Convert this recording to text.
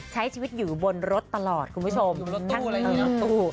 ใช้ชีวิตอยู่บนรถตลอดคุณผู้ชมอยู่บนรถตู้อะไรอย่างงี้